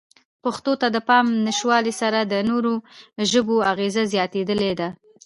پښتو ته د پام نشتوالې سره د نورو ژبو اغېزه زیاتېدلې ده.